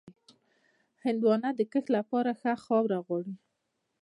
هندوانه د کښت لپاره ښه خاوره غواړي.